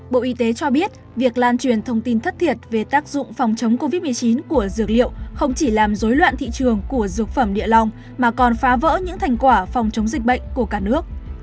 bộ y tế cho biết việc lan truyền thông tin thất thiệt về tác dụng phòng chống covid một mươi chín của dược liệu không chỉ làm dối loạn thị trường của dược phẩm địa long mà còn phá vỡ những thành quả phòng chống dịch bệnh của cả nước